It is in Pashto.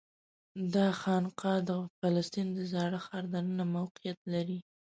دا خانقاه د فلسطین د زاړه ښار دننه موقعیت لري.